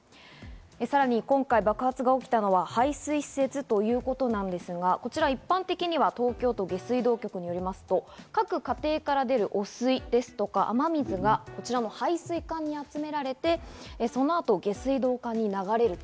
さらに今回、爆発が起きたのは排水施設ということですが、こちら一般的には東京都下水道局によりますと各家庭から出る汚水ですとか雨水が排水管に集められて、そのあと下水道管に流れると。